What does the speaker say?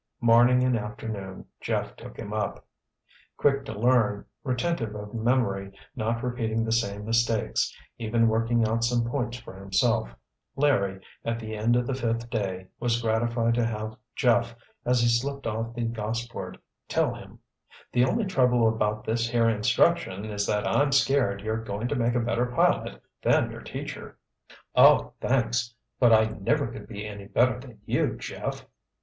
Morning and afternoon Jeff took him up. Quick to learn, retentive of memory, not repeating the same mistakes—even working out some points for himself—Larry, at the end of the fifth day, was gratified to have Jeff, as he slipped off the Gossport, tell him: "The only trouble about this here instruction is that I'm scared you're going to make a better pilot than your teacher." "Oh, thanks—but I never could be any better than you, Jeff."